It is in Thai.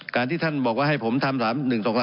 การที่ท่านบอกว่าให้ผมทำ๓๑๒๓